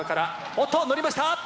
おっとのりました！